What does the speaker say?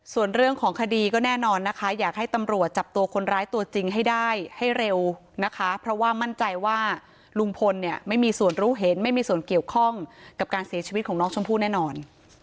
ส่วนเรื่องของคดีก็แน่นอนนะคะอยากให้ตำรวจจับตัวคนร้ายตัวจริงให้ได้ให้เร็วนะคะเพราะว่ามั่นใจว่าลุงพลเนี่ยไม่มีส่วนรู้เห็นไม่มีส่วนเกี่ยวข้องกับการเสียชีวิตของน้องชมพู่แน่นอน